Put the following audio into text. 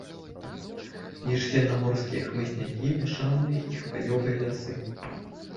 Міжземнаморскія хмызнякі, мяшаныя і хваёвыя лясы.